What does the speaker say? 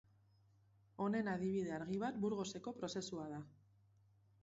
Honen adibide argi bat Burgoseko Prozesua da.